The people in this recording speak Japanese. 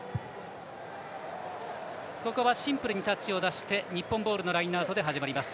シンプルにタッチを出して日本ボールのラインアウトで始まります。